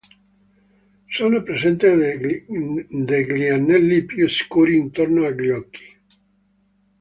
Sono presenti degli anelli più scuri intorno agli occhi.